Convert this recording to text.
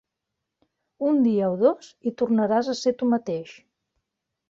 Un dia o dos, i tornaràs a ser tu mateix.